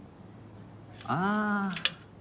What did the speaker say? ああ。